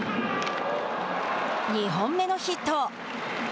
２本目のヒット。